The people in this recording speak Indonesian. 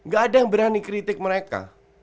gak ada yang berani kritik mereka